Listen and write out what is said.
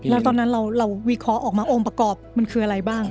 แล้วตอนนั้นเราวิเคราะห์ออกมาองค์ประกอบมันคืออะไรบ้าง